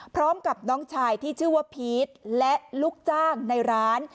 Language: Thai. พร้อมกับน้องชายที่ชื่อว่าพีชและลูกจ้างในร้าน